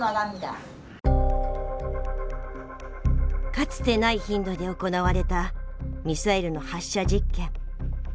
かつてない頻度で行われたミサイルの発射実験。